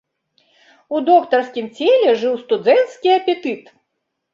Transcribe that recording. У доктарскім целе жыў студэнцкі апетыт.